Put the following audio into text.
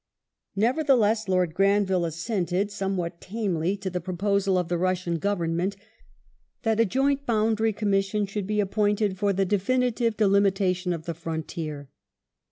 ^ Nevertheless, Lord Granville assented, some what tamely, to the proposal of the Russian Government that a joint boundary commission should be appointed for the definitive delimitation of the frontier.